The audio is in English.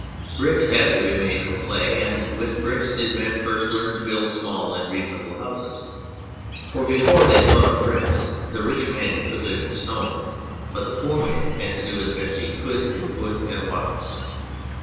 Bricks have to be made from clay, and with bricks did men first learn to build small and reasonable houses, for before they thought of bricks the rich man could live in stone, but the poor man 10 On Clay had to do as best he could in wood and wattles.